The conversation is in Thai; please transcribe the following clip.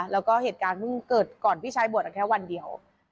แล้วก็เหตุการณ์เพิ่งเกิดก่อนพี่ชายบวชแค่วันเดียว